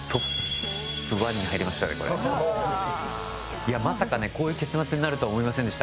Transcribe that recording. いやまさかねこういう結末になるとは思いませんでした